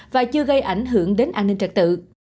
và chưa gây ảnh hưởng đến an ninh trật tự